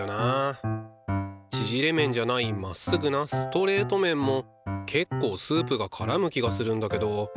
ちぢれ麺じゃないまっすぐなストレート麺もけっこうスープがからむ気がするんだけど。